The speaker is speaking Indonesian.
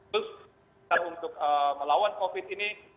terus kita untuk melawan covid ini